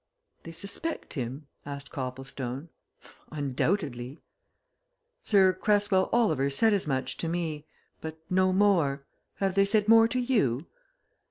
"They suspect him?" asked Copplestone. "Undoubtedly!" "Sir Cresswell Oliver said as much to me but no more. Have they said more to you?"